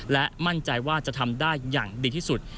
และมั่นใจว่าจะทำได้อย่างดีที่สุด